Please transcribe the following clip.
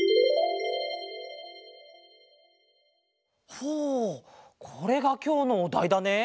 ほうこれがきょうのおだいだね。